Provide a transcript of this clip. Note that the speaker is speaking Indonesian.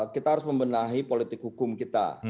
kita harus membenahi politik hukum kita